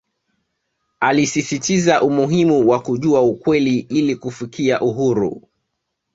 Alisisitiza umuhimu wa kujua ukweli ili kufikia uhuru